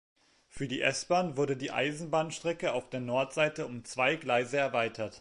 Für die S-Bahn wurde die Eisenbahnstrecke auf der Nordseite um zwei Gleise erweitert.